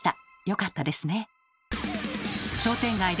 よかったですね。